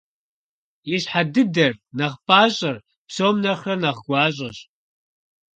Ищхьэ дыдэр, нэхъ пIащIэр, псом нэхърэ нэхъ гуащIэщ.